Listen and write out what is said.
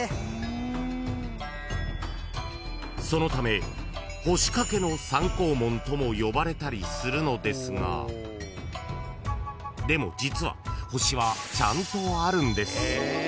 ［そのため星欠けの三光門とも呼ばれたりするのですがでも実はちゃんと］